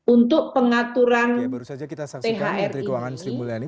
untuk pengaturan thr ini